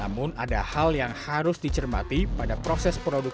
namun ada hal yang harus dicermati pada proses teratur dalam tahun dua ribu tiga puluh